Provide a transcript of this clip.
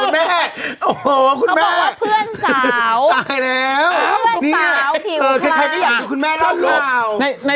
แม้แม้แม้ที่ไหนล่ะแม้